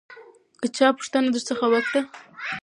که چا پوښتنه درڅخه وکړه